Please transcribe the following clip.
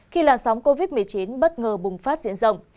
khi làn sóng covid một mươi chín bất ngờ bùng phát diện rộng